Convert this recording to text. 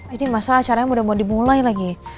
ini masa acaranya udah mau dimulai lagi